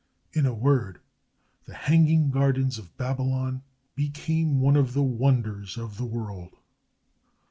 In a word, the Hanging Gardens of Babylon became one of the wonders of the world.